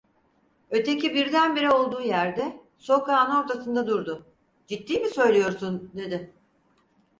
Öteki birdenbire olduğu yerde, sokağın ortasında durdu: "Ciddi mi söylüyorsun?" dedi.